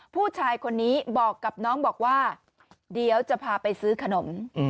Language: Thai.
ผู้ชายคนนี้บอกกับน้องบอกว่าเดี๋ยวจะพาไปซื้อขนม